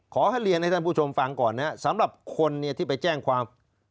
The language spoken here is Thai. ขอให้เรียนให้ท่านผู้ชมฟังก่อนนะครับสำหรับคนที่ไปแจ้งความ